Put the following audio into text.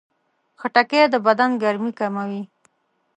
خټکی د بدن ګرمي کموي.